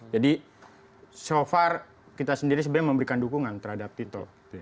jadi so far kita sendiri sebenarnya memberikan dukungan terhadap tito